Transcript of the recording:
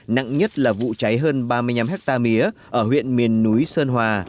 nặng nhất là vụ cháy hơn ba mươi năm hectare mía ở huyện miền núi sơn hòa